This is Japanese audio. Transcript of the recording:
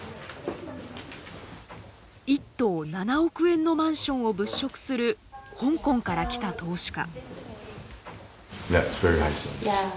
１棟７億円のマンションを物色する香港から来た投資家。